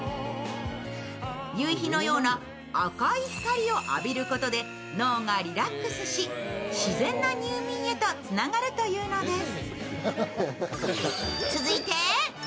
夕日のような赤い光を浴びることで脳がリラックスし自然な入眠へとつながるというのです。